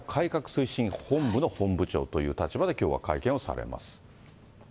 推進本部の本部長という立場できょうは会見をされます。